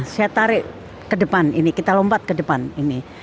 saya tarik ke depan ini